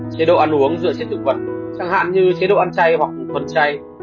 chế độ ăn uống dựa trên thực vật chẳng hạn như chế độ ăn chay hoặc phần chay